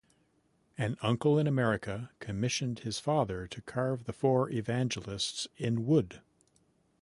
An uncle in America commissioned his father to carve the four evangelists in wood.